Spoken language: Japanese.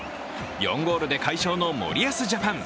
４ゴールで快勝の森保ジャパン。